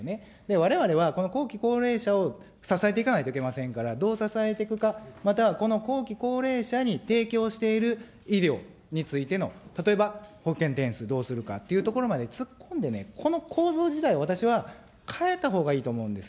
われわれは、この後期高齢者を支えていかないといけませんから、どう支えていくか、または、この後期高齢者に提供している医療についての例えば、保険点数どうするかっていうところまで突っ込んでね、この構造自体を私は変えたほうがいいと思うんです。